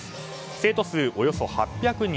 生徒数およそ８００人。